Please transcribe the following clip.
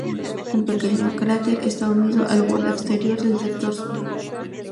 Un pequeño cráter está unido al borde exterior del sector sur.